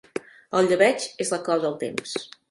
El llebeig és la clau del temps.